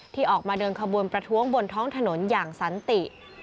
ที่ออกมาเดินขบวนประท้วงบนท้องถนนอย่างสันติ